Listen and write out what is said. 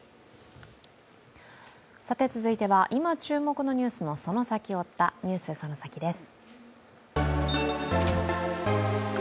続いては今注目のニュースのその先を追った「ＮＥＷＳそのサキ！」です。